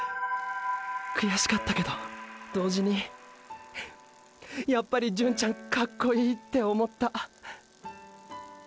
くやしかったけど同時にーーやっぱり純ちゃんカッコイイって思った。